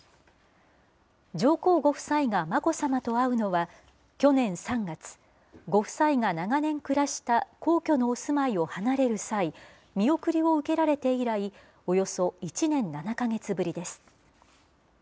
上皇ご夫妻は眞子さまと会うのは去年３月、ご夫妻が長年暮らした皇居のお住まいを離れる際、見送りを受けられて以来、およそ１年７か月ぶりです。